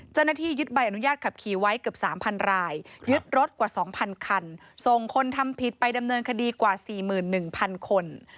เจ้าหน้าที่ยึดใบอนุญาตขับขี่ไว้เกือบ๓๐๐รายยึดรถกว่า๒๐๐คันส่งคนทำผิดไปดำเนินคดีกว่า๔๑๐๐คน